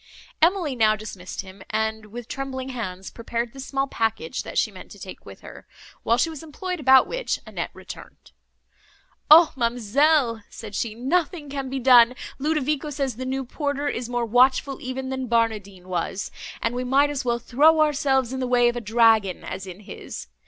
Emily now dismissed him; and, with trembling hands, prepared the small package, that she meant to take with her; while she was employed about which Annette returned. "O ma'amselle!" said she, "nothing can be done! Ludovico says the new porter is more watchful even than Barnardine was, and we might as well throw ourselves in the way of a dragon, as in his.